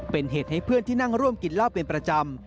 เป็นเหตุให้เพื่อนที่นั่งร่วมกินเหล้าเป็นประจำ